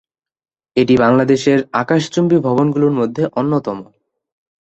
এটি বাংলাদেশের আকাশচুম্বী ভবনগুলোর মধ্যে অন্যতম।